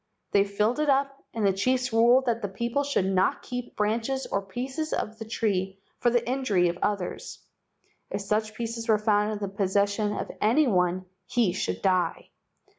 They filled it up and the chiefs ruled that the people should not keep branches or pieces of the tree for the injury of others. If such pieces were found in the pos¬ session of any one he should die.